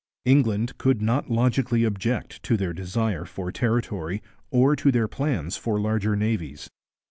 England could not logically object to their desire for territory or to their plans for larger navies.